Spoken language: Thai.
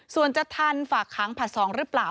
ส่วนจะทันฝากค้างผัด๒หรือเปล่า